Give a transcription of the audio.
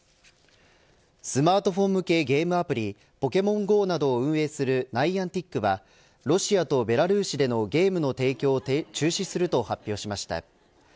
スマートフォン向けゲームアプリポケモンＧＯなどを運営するナイアンティックはロシアとベラルーシでのゲームの提供を中止すると発表しました。